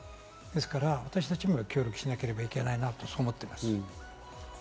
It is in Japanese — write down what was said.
私たちも協力しなきゃいけないなと思っています。